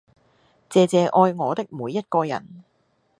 謝謝愛我的每一個人